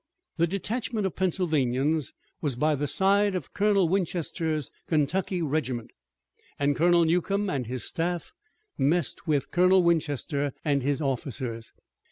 The detachment of Pennsylvanians was by the side of Colonel Winchester's Kentucky regiment, and Colonel Newcomb and his staff messed with Colonel Winchester and his officers.